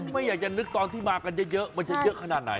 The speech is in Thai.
ไม่อยากจะนึกตอนที่มากันเยอะมันจะเยอะขนาดไหน